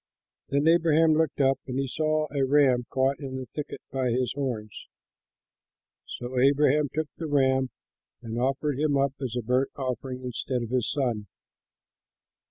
Then Abraham looked up, and he saw a ram caught in the thicket by his horns. So Abraham took the ram and offered him up as a burnt offering instead of his son.